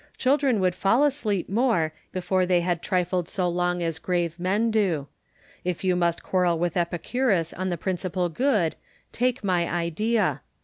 Children would fall asleep before they had trifled so long as grave men do. If you must quarrel with Epicurus on the principal good, take my idea.